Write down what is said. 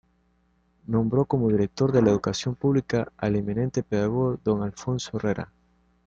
Nombró como Director de la Educación Pública al eminente pedagogo Don Alfonso Herrera.